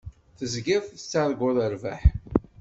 Tezgiḍ tettarguḍ rrbeḥ.